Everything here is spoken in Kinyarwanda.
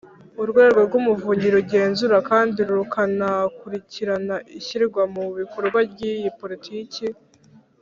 Urwego rw’Umuvunyi rugenzura kandi rukanakurikirana ishyirwa mu bikorwa ry’iyi Politiki.